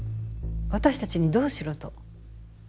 私たちにどうしろと？